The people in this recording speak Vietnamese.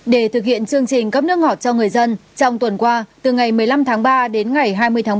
để thực hiện chương trình cấp nước ngọt cho người dân trong tuần qua từ ngày một mươi năm tháng ba đến ngày hai mươi tháng một